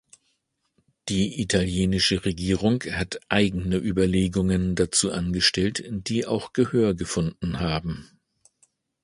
Die italienische Regierung hat eigene Überlegungen dazu angestellt, die auch Gehör gefunden haben.